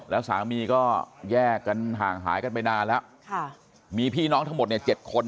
แล้วสามีก็แยกกันห่างหายกันไปนานแล้วมีพี่น้องทั้งหมดเนี่ย๗คน